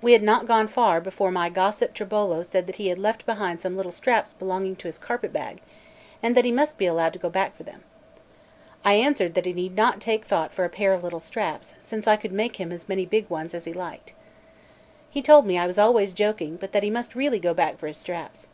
We had not gone far before my gossip Tribolo said that he had left behind some little straps belonging to his carpet bag, and that he must be allowed to go back for them. I answered that he need not take thought for a pair of little straps, since I could make him as many big ones as he liked. He told me I was always joking, but that he must really go back for his straps.